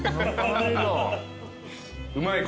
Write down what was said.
うまい？